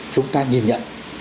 chúng ta nhìn nhận